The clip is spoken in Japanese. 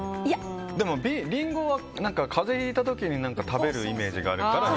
でもリンゴは風邪をひいた時に食べるイメージがあるから。